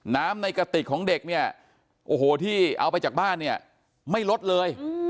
น้ำในกระติกของเด็กเนี่ยโอ้โหที่เอาไปจากบ้านเนี่ยไม่ลดเลย